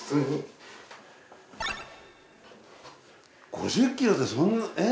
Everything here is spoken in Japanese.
５０ｋｇでそんなえっ？